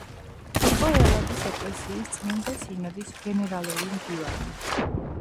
იყო ელადის ეკლესიის წმინდა სინოდის გენერალური მდივანი.